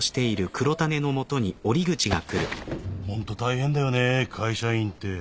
ホント大変だよねぇ会社員って。